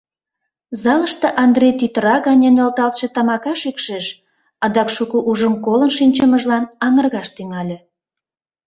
Залыште Андрий тӱтыра гане нӧлталалтше тамака шикшеш, адак шуко ужын-колын шинчымыжлан аҥыргаш тӱҥале.